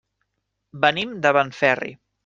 Venim de Benferri.